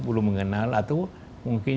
belum mengenal atau mungkin